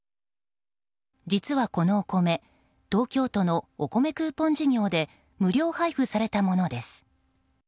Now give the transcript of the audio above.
実は、このお米東京都のお米クーポン事業で無料配布されたものです。